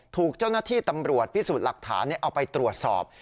ถูกเจ้าหน้าที่ตำรวจพิสูจน์หลักฐานเอาไปตรวจสอบ